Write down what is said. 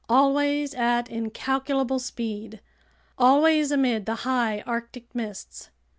Always at incalculable speed! Always amid the High Arctic mists!